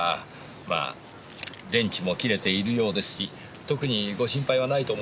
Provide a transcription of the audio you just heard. まあ電池も切れているようですし特にご心配はないと思いますよ。